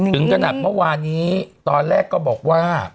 ถึงขนาดเมื่อวานนี้ตอนแรกก็บอกว่า